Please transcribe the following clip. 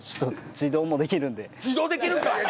自動できるんかい！